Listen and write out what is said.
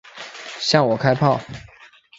向我开炮！